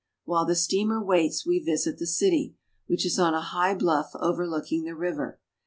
While the steamer waits, we visit the city, which is on MATTO GROSSO. 245 a high bliiff overlooking the river.